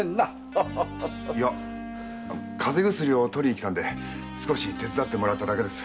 いや風邪薬を取りに来たんで少し手伝ってもらっただけです。